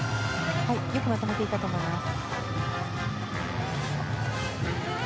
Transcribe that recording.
よくまとめていたと思います。